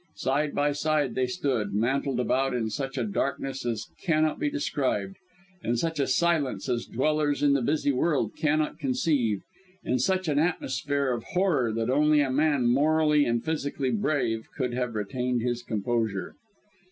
Side by side they stood, mantled about in such a darkness as cannot be described; in such a silence as dwellers in the busy world cannot conceive; in such an atmosphere of horror that only a man morally and physically brave could have retained his composure.